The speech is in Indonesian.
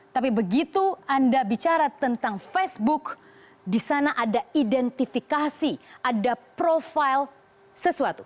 tapi begitu anda bicara tentang facebook di sana ada identifikasi ada profil sesuatu